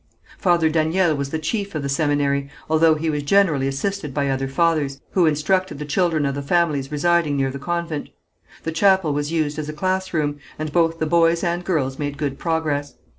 Father Daniel was the chief of the seminary, although he was generally assisted by other fathers, who instructed the children of the families residing near the convent. The chapel was used as a classroom, and both the boys and girls made good progress.